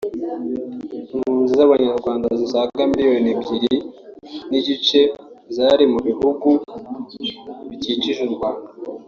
impunzi z’Abanyarwanda zisaga miliyoni ebyiri n’igice zari mu bihugu bikikije u Rwanda